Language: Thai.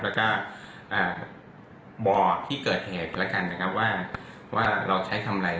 แล้วก็บอกที่เกิดเหตุแล้วกันนะครับว่าเราใช้คำอะไร